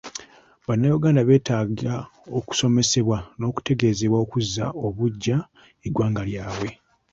Bannayuganda betaaga okusomesebwa nokutegezebwa okuzza obuggya eggwanga lyabwe.